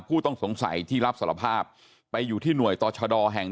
ผู้ต้องสงสัยที่รับสารภาพไปอยู่ที่หน่วยต่อชะดอแห่ง